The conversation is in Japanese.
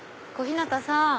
小日向さん。